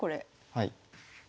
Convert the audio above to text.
はい。